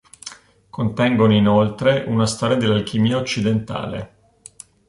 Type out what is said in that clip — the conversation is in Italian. Contengono inoltre una storia dell'alchimia occidentale.